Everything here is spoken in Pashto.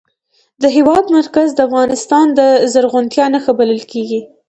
د هېواد مرکز د افغانستان د زرغونتیا نښه بلل کېږي.